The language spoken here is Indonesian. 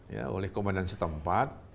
ya oleh komandan setempat